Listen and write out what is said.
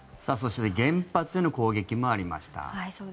そして原発への攻撃もありました。